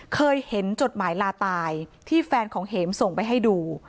เคยเห็นจดหมายลาตายที่แฟนของเห็มส่งไปให้ดู